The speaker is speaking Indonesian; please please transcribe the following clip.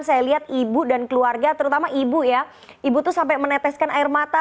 saya lihat ibu dan keluarga terutama ibu ya ibu tuh sampai meneteskan air mata